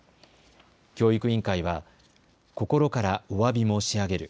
教育委員会は心からおわび申し上げる。